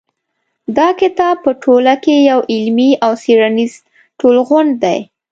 دا کتاب په ټوله کې یو علمي او څېړنیز ټولغونډ دی.